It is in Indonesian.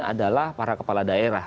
adalah para kepala daerah